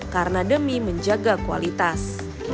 karena demi menjaga kualitas